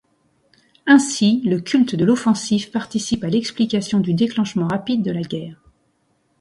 Ainsi, le culte de l'offensive participe à l'explication du déclenchement rapide de la guerre.